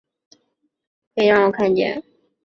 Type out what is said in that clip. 可以让我看见